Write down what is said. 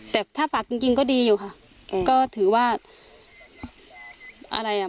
แต่ถ้าฝากจริงจริงก็ดีอยู่ค่ะก็ถือว่าอะไรอ่ะ